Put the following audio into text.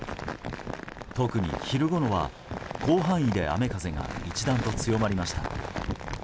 特に昼ごろは広範囲で雨風が一段と強まりました。